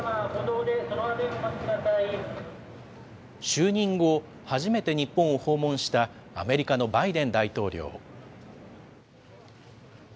就任後、初めて日本を訪問したアメリカのバイデン大統領。